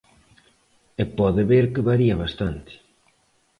E pode ver que varía bastante.